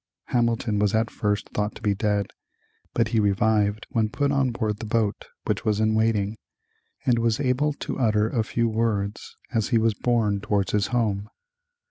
Hamilton was at first thought to be dead, but he revived when put on board the boat which was in waiting, and was able to utter a few words as he was borne towards his home.